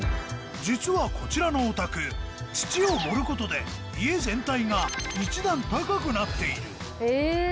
実はこちらのお宅土を盛ることで家全体が一段高くなっているえ。